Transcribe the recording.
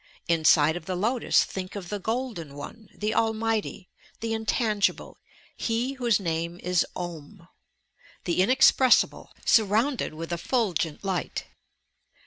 ... Inside of the lotus think of the Golden One, the almighty, the In tangible, HE whose name is ou, the Inespressible, sur rounded'with effulgent light.